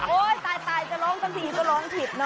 โอ๊ยตายจะร้องตอนนี้ก็ร้องผิดนะ